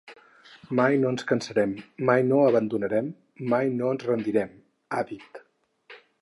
Mai no ens cansarem, mai no abandonarem, mai no ens rendirem, ha di.